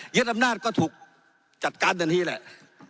เย็นอำนาจก็ถูกจัดการตัวนี้แหละ